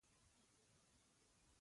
مذهبي عالمان نه وه راغونډ شوي.